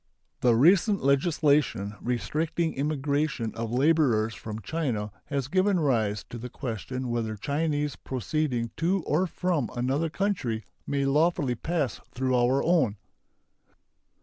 The recent legislation restricting immigration of laborers from China has given rise to the question whether Chinese proceeding to or from another country may lawfully pass through our own.